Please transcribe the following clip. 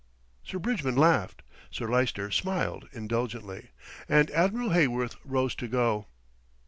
Sir Bridgman laughed, Sir Lyster smiled indulgently, and Admiral Heyworth rose to go.